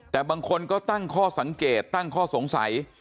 แต่บางคนก็ตั้งข้อสังเกตตั้งข้อสงสัย